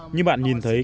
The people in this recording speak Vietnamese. như bạn nhìn thấy